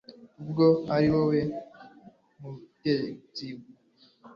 ubwo ari wowe mutegetsi